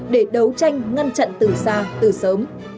để đấu tranh ngăn chặn từ xa từ sớm